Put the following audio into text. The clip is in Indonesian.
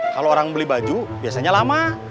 kalau orang beli baju biasanya lama